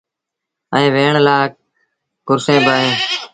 ائيٚݩ ويهڻ لآ ڪرسيٚݩ با اوهيݩ۔